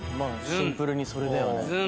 シンプルにそれだよね。